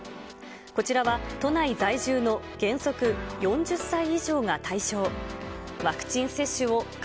こちらは都内在住の原則４０歳以上が対象。